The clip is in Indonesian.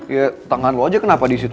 ya tangan lo aja kenapa disitu